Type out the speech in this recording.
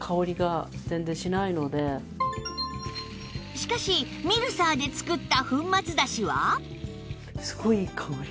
しかしミルサーで作った粉末だしは？